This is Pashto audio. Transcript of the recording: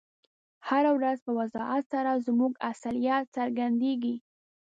هره ورځ په وضاحت سره زموږ اصلیت څرګندیږي.